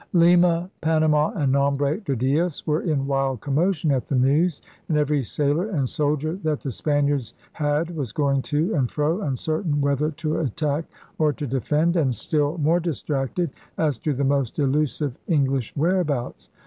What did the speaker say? Lima, Panama, and Nombre de Dios were in wild commotion at the news; and every sailor and soldier that the Spaniards had was going to and fro, uncertain whether to attack or to defend, and still more distracted as to the most elusive Eng lish whereabouts.